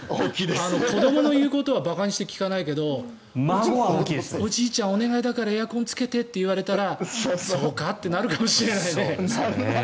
子どもの言うことは馬鹿にして聞かないけどおじいちゃんお願いだからエアコンつけてって言われたらそうかってなるかもしれないね。